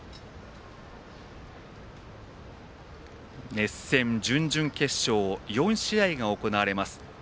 熱戦、準々決勝４試合が行われます。